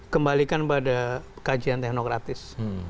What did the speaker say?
kembalikan pada kajian teknokratis